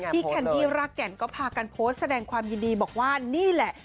แคนดี้รากแก่นก็พากันโพสต์แสดงความยินดีบอกว่านี่แหละ